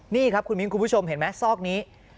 นี่ครับคุณมิ้นคุณผู้ชมเห็นไหมซอกนี้